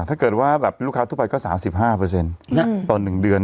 ถ้าเกิดว่าแบบลูกค้าทั่วไปก็สามสิบห้าเปอร์เซ็นต์อืมตอนหนึ่งเดือน